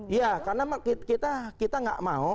iya karena kita nggak mau